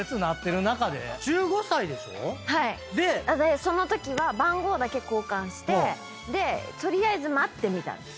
そのときは番号だけ交換して取りあえず待ってみたんですよ。